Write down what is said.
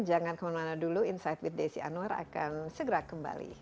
jangan kemana mana dulu insight with desi anwar akan segera kembali